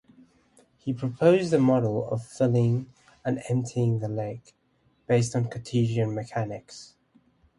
He proposed a model of filling and emptying the lake, based on Cartesian mechanics.